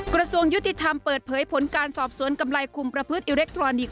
กระทรวงยุติธรรมเปิดเผยผลการสอบสวนกำไรคุมประพฤติอิเล็กทรอนิกส